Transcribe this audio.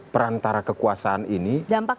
perantara kekuasaan ini